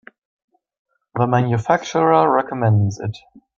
The manufacturer recommends it.